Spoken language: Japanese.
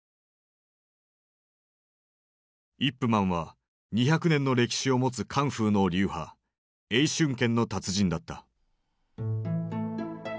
イップ・マンは２００年の歴史を持つカンフーの流派「詠春拳」の達人だった。